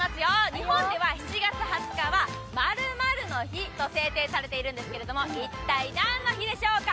日本では７月２９日は○○の日と制定されているんですけれども一体何の日でしょうか？